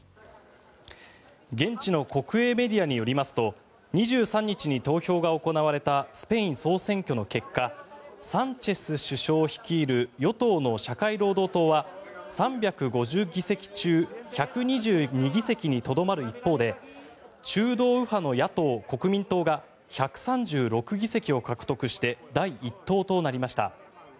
現地の国営メディアによりますと２３日に投票が行われたスペイン総選挙の結果サンチェス首相率いる与党の社会労働党は３５０議席中１２２議席にとどまる一方で中道右派の野党・国民党が１３６議席を獲得して第１党となりました。